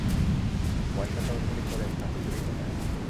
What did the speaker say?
পয়সাটাও চুরি করে, শাকও চুরি করে।